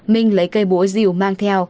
minh lấy cây búa dìu mang theo